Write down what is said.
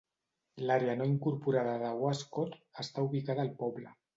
L'àrea no incorporada de Wascott està ubicada al poble.